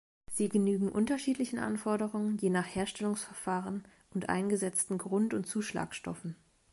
Sie genügen unterschiedlichen Anforderungen, je nach Herstellungsverfahren und eingesetzten Grund- und Zuschlagstoffen.